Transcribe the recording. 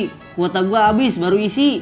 kuota gue habis baru isi